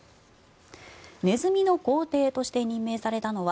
ネズミの皇帝として任命されたのは